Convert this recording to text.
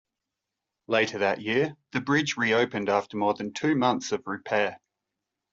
Later that year, the bridge reopened after more than two months of repair.